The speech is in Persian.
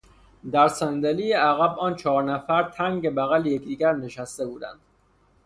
در صندلی عقب آن چهار نفر تنگ بغل یکدیگر نشسته بودند.